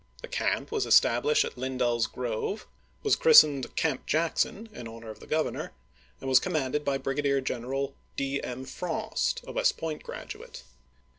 The camp was established at Lindell's Grove, was christened " Camp Jackson," in honor of the Governor, and was commanded by Brigadier General D. M. Frost, a West Point graduate.